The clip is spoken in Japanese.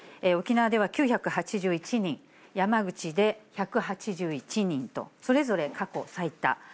沖縄では９８１人、山口で１８１人と、それぞれ過去最多。